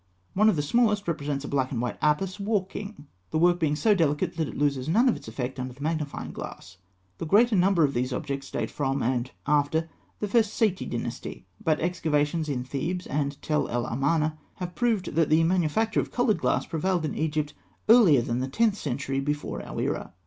One of the smallest represents a black and white Apis walking, the work being so delicate that it loses none of its effect under the magnifying glass. The greater number of these objects date from, and after, the first Saïte dynasty; but excavations in Thebes and Tell el Amarna have proved that the manufacture of coloured glass prevailed in Egypt earlier than the tenth century before our era.